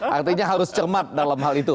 artinya harus cermat dalam hal itu